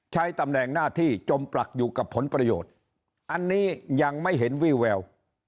ใช้ตำแหน่งหน้าที่จมปลักอยู่กับผลประโยชน์อันนี้ยังไม่เห็นวี่แวว